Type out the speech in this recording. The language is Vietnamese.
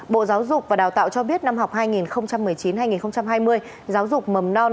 bộ giáo dục và đào tạo cho biết năm học hai nghìn một mươi chín hai nghìn hai mươi giáo dục mầm non